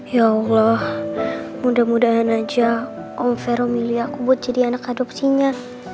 ya allah mudah mudahan aja om vero milih aku buat jadi anak adopsinya